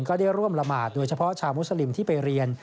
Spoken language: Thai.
ก็ได้ร่วมละหมาดโดยเฉพาะชาวมุสลิมที่ไปเรียน